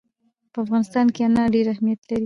په افغانستان کې انار ډېر اهمیت لري.